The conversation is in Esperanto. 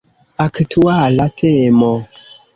Aktuala temo!